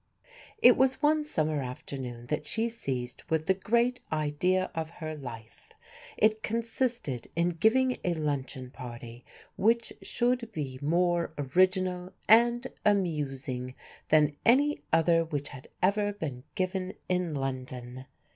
It was one summer afternoon that she was seized with the great idea of her life. It consisted in giving a luncheon party which should be more original and amusing than any other which had ever been given in London.